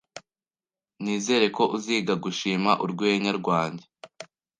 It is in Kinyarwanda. Nizere ko uziga gushima urwenya rwanjye